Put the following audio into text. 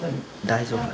大丈夫。